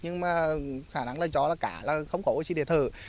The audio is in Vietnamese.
nhưng mà khả năng là cho là cả là không có oxy để thở